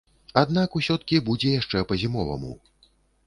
Аднак усё-ткі будзе яшчэ па-зімоваму.